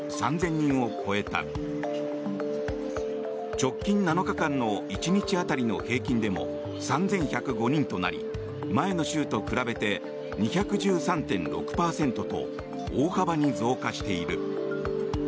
直近７日間の１日当たりの平均でも３１０５人となり前の週と比べて２１３．６％と大幅に増加している。